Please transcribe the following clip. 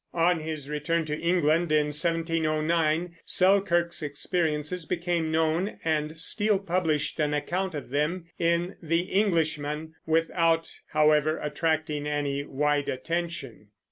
On his return to England in 1709, Selkirk's experiences became known, and Steele published an account of them in The Englishman, without, however, attracting any wide attention.